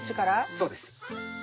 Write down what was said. そうです。